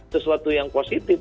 sesuatu yang positif